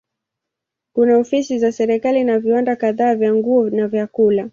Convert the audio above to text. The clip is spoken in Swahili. Kuna ofisi za serikali na viwanda kadhaa vya nguo na vyakula.